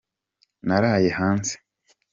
naraye hanze.